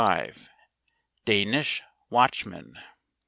f 65. Danish Watchman.